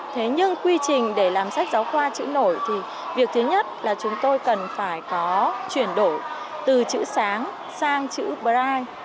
thế nhưng quy trình để làm sách giáo khoa chữ nổi thì việc thứ nhất là chúng tôi cần phải có chuyển đổi từ chữ sáng sang chữ brai